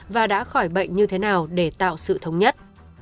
và đã khỏi bệnh như thế nào để tạo sự thống nhất